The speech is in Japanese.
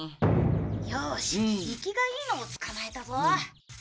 よしいきがいいのを捕まえたぞ。